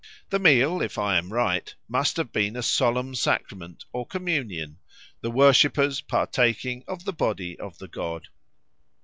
The meal, if I am right, must have been a solemn sacrament or communion, the worshippers partaking of the body of the god.